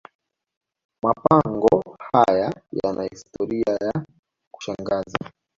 mapango haya yana historia ya kushangaza